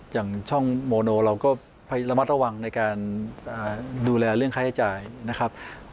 อย่างช่องโมโนเราก็ระมัดระวังในการดูแลเรื่องค่าใช้จ่ายนะครับ